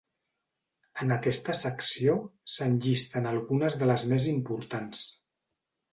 En aquesta secció se'n llisten algunes de les més importants.